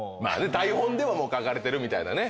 台本では書かれてるみたいなね。